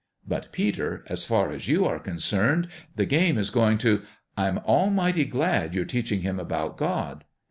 But, Peter, as far as you are concerned, the game is going to "" I'm almighty glad you're teaching him about God."